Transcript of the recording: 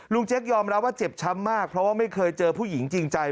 เจ๊กยอมรับว่าเจ็บช้ำมากเพราะว่าไม่เคยเจอผู้หญิงจริงใจ